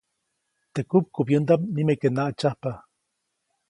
Teʼ kupkubyändaʼm nimeke naʼtsyajpa.